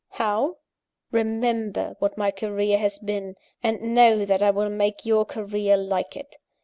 "How? Remember what my career has been; and know that I will make your career like it.